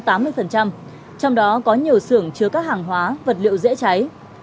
trong đó có nhiều xưởng chứa các hàng hóa vật liệu dễ cháy